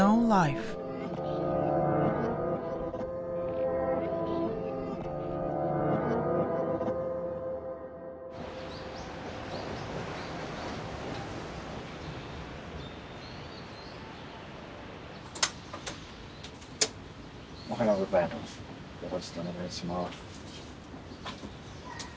よろしくお願いします。